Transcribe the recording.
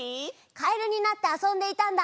かえるになってあそんでいたんだ！